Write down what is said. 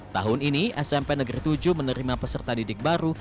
tahun ini smp negeri tujuh menerima peserta didik baru